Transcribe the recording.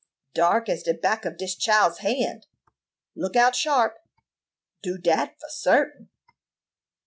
"Dark as de back of dis chile's hand." "Look out sharp!" "Do dat, for sartin."